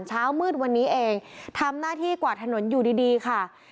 เช้ามืดวันนี้เองทำหน้าที่กวาดถนนอยู่ดีดีค่ะ